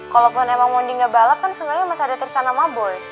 kalaupun emang mondi nggak balap kan sebenarnya masih ada terusan sama boy